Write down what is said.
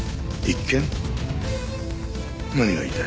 何が言いたい？